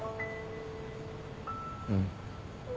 うん。